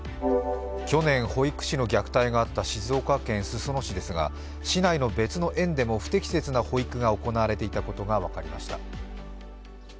去年、保育士の虐待があった静岡県裾野市ですが、市内の別の園でも、不適切な保育が行われていたことが分かりました。